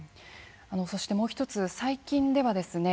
そしてもう一つ最近ではですね